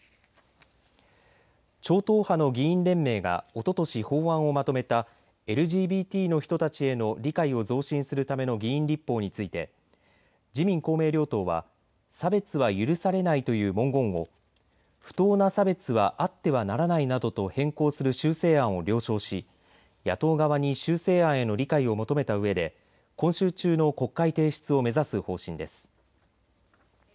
超党派の議員連盟がおととし法案をまとめたＬＧＢＴの人たちへの理解を増進するための議員立法について自民・公明両党は差別は許されないという文言を不当な差別はあってはならないなどと変更する修正案を了承し野党側に修正案への理解を求めたうえで今週中の国会提出を目指す方針です。